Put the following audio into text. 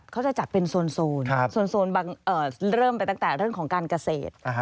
เขาจะจัดเป็นโซนเริ่มไปตั้งแต่เรื่องของการเกษตร